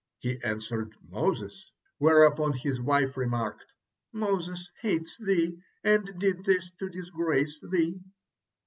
He answered, "Moses," whereupon his wife remarked: "Moses hates thee and did this to disgrace thee."